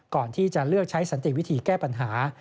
ก่อนที่จะเลือกใช้สันติวิธีแก้ปัญหา